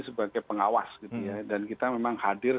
sebagai pengawas dan kita memang hadir